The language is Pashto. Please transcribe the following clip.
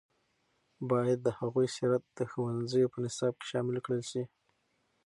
باید د هغوی سیرت د ښوونځیو په نصاب کې شامل کړل شي.